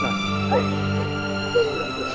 jangan bawa pergi ibu saya